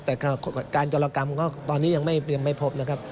แต่การจรกรรมก็ตอนนี้ยังไม่พบนะครับ